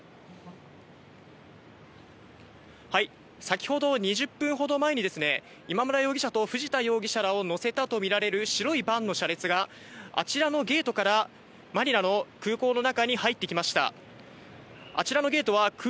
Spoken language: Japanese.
先ほど、２０分ほど前に今村容疑者と藤田容疑者らを乗せたとみられる白いバンの車列が、あちらのゲートからマニラの空港の中に入ってきました。